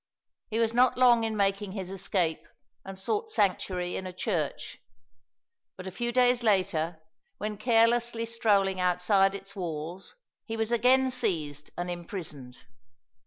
He was not long in making his escape, and sought sanctuary in a church; but a few days later, when carelessly strolling outside its walls, he was again seized and imprisoned.